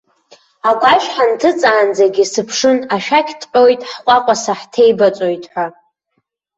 Агәашә ҳанҭыҵаанӡагьы, сыԥшын ашәақь ҭҟьоит, ҳҟәаҟәаса ҳҭеибаҵоит ҳәа.